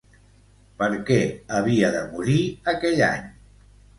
Per què havia de morir aquell any?